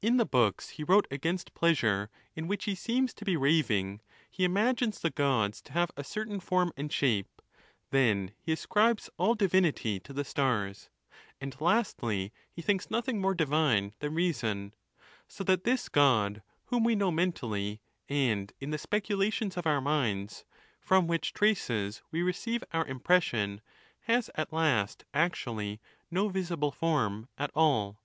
In the books he wrote against pleasure, in which he seems to be raving, he imagines the Gods to have a certain form and shape ; then he ascribes all divinity to the stars ; and, lastly, he thinks nothing more divine than reason. So that this God, whom we know mentally and in the speculations of our minds, from which traces we receive our impression, has at last actually no visible form at all.